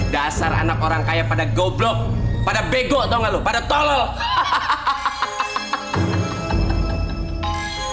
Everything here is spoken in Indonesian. dasar anak orang kaya pada goblok pada bego tau gak lu pada tolo hahaha